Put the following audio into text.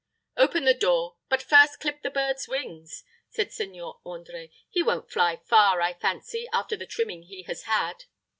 "Open the door, but first clip the bird's wings," said Seigneur André. "He won't fly far, I fancy, after the trimming he has had."